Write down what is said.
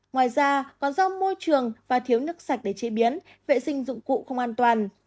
ngoài ra còn do môi trường và thiếu nước sạch để chế biến vệ sinh dụng cụ không an toàn